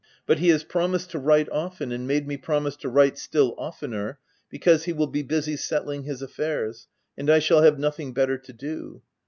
But he has promised to write often, and made me promise to write still oftener, because he will be busy settling his affairs, and I shall have nothing better to do.